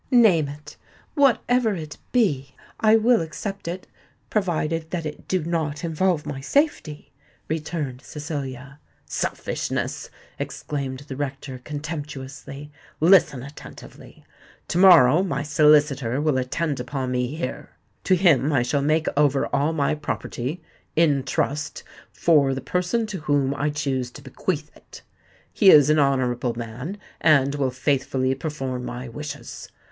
"Name it. Whatever it be, I will accept it—provided that it do not involve my safety," returned Cecilia. "Selfishness!" exclaimed the rector contemptuously. "Listen attentively. To morrow my solicitor will attend upon me here. To him I shall make over all my property—in trust for the person to whom I choose to bequeath it. He is an honourable man, and will faithfully perform my wishes.